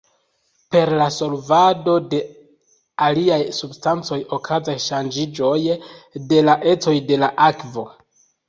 Per la solvado de aliaj substancoj okazas ŝanĝiĝoj de la ecoj de la akvo.